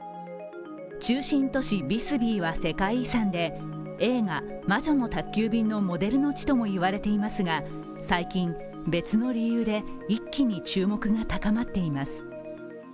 中心都市ビスビーは世界遺産で映画「魔女の宅急便」のモデルの地ともいわれていますが最近、別の理由で一気に注目が高まっています。